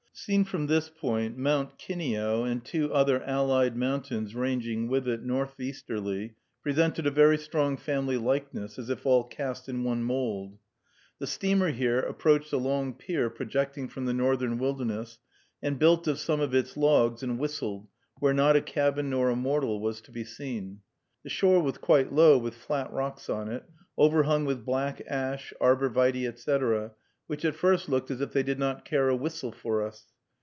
Seen from this point, Mount Kineo, and two other allied mountains ranging with it northeasterly, presented a very strong family likeness, as if all cast in one mould. The steamer here approached a long pier projecting from the northern wilderness, and built of some of its logs, and whistled, where not a cabin nor a mortal was to be seen. The shore was quite low, with flat rocks on it, overhung with black ash, arbor vitæ, etc., which at first looked as if they did not care a whistle for us.